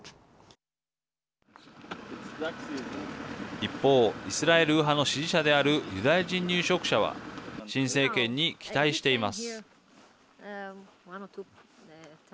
一方、イスラエル右派の支持者であるユダヤ人入植者は新政権に期待しています。